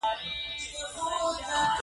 نو ته ای زما د سکوت خاونده.